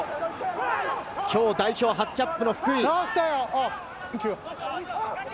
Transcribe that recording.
きょう代表初キャップの福井。